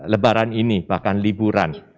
lebaran ini bahkan liburan